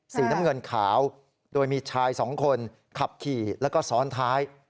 สีน้ำเงินขาวโดยมีชายสองคนขับขี่แล้วก็ซ้อนท้าย